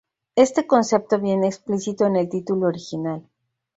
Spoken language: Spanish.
Este concepto viene explícito en el título original.